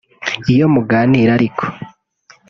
Iyo muganira ariko